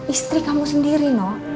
istri kamu sendiri